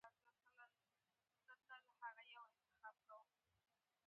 د کیسې فزیکي چاپیریال اندلس او مصر دی.